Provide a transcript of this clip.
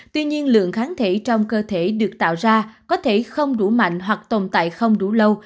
tuy nhiên lượng kháng thể trong cơ thể được tạo ra có thể không đủ mạnh hoặc tồn tại không đủ lâu